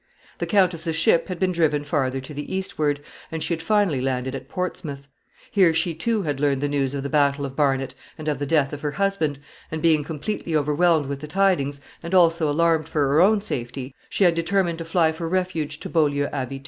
The countess's ship had been driven farther to the eastward, and she had finally landed at Portsmouth. Here she too had learned the news of the battle of Barnet and of the death of her husband, and, being completely overwhelmed with the tidings, and also alarmed for her own safety, she had determined to fly for refuge to Beaulieu Abbey too.